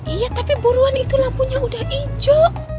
iya tapi buruan itu lampunya udah hijau